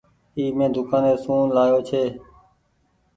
اي مين دوڪآني سون لآيو ڇي۔